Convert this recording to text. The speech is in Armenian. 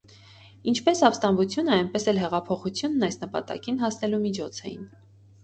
Ինչպես ապստամբությունը, այնպես էլ հեղափոխությունն այս նպատակին հասնելու միջոց էին։